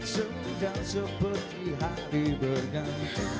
sudah seperti hari berganti